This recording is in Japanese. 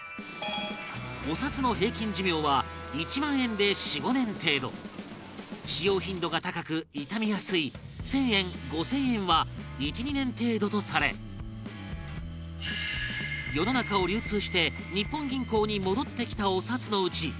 お札の平均寿命は一万円で４５年程度使用頻度が高く傷みやすい千円、五千円は１２年程度とされ世の中を流通して日本銀行に戻ってきたお札のうち